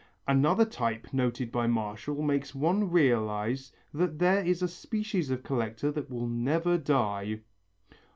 Another type noted by Martial makes one realize that there is a species of collector that will never die.